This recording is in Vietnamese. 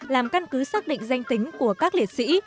làm căn cứ xác định danh tính của các liệt sĩ